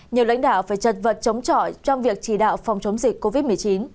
nhiều lãnh đạo phải trật vật chống trọ trong việc chỉ đạo phòng chống dịch covid một mươi chín